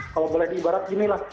kalau boleh diibarat beginilah